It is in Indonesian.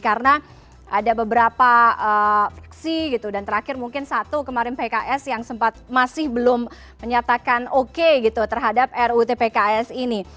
karena ada beberapa aksi gitu dan terakhir mungkin satu kemarin pks yang sempat masih belum menyatakan oke gitu terhadap rutpks ini